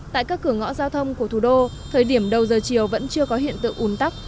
tại các cửa ngõ giao thông của thủ đô thời điểm đầu giờ chiều vẫn chưa có hiện tượng ùn tắc